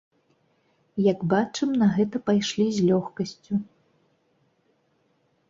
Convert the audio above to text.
Як бачым, на гэта пайшлі з лёгкасцю.